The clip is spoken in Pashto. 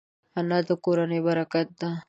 انا د کورنۍ برکت ده